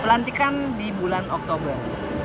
pelantikan di bulan oktober